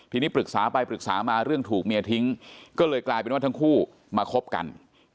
ทีนี้ปรึกษาไปปรึกษามาเรื่องถูกเมียทิ้งก็เลยกลายเป็นว่าทั้งคู่มาคบกัน